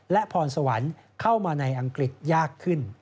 และพรสวรรค์เข้ามาในอังกฤษยากขึ้น